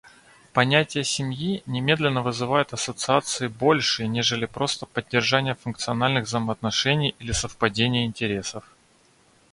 Понятие «семьи» немедленно вызывает ассоциации большие, нежели просто поддержание функциональных взаимоотношений или совпадение интересов.